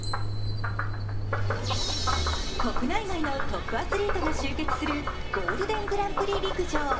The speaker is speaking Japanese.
国内外のトップアスリートが集結するゴールデングランプリ陸上。